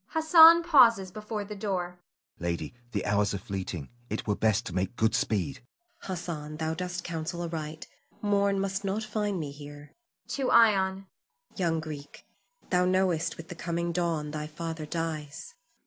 [Hassan pauses before the door.] Hassan. Lady, the hours are fleeting. It were best to make good speed. Zuleika. Hassan, thou dost counsel aright; morn must not find me here. [To Ion.] Young Greek, thou knowest with the coming dawn thy father dies.